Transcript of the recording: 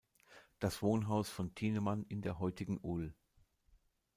Das Wohnhaus von Thienemann in der heutigen Ul.